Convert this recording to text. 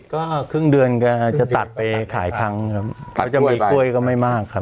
ก็ครึ่งเดือนก็จะตัดไปขายครั้งครับก็จะมีกล้วยก็ไม่มากครับ